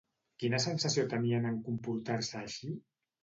Quina sensació tenien en comportar-se així?